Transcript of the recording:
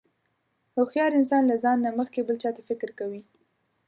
هوښیار انسان له ځان نه مخکې بل چاته فکر کوي.